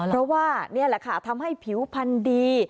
เพราะว่านี่แหละค่ะทำให้ผิวพันธุ์ดี